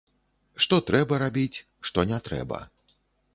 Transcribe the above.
Што трэба рабіць, што не трэба.